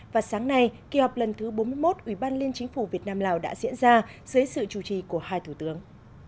và sáng nay kỳ họp lần thứ bốn mươi một ủy ban liên chính phủ việt nam lào đã diễn ra dưới sự chủ trì của hai thủ tướng